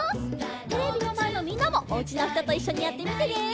テレビのまえのみんなもおうちのひとといっしょにやってみてね。